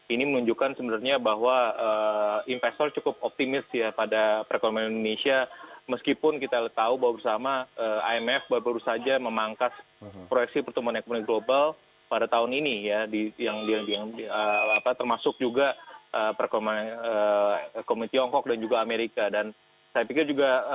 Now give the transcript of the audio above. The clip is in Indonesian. ini menunjukkan sebenarnya bahwa investor cukup optimis ya pada perekonomian indonesia